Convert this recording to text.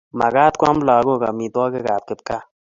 Magat koam lagok amitwogikab kipkaa